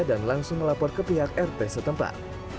dan langsung melapor ke pihak rt setempat